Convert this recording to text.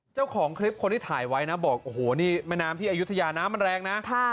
เจ้าของคลิปคนที่ถ่ายไว้นะบอกโอ้โหนี่แม่น้ำที่อายุทยาน้ำมันแรงนะ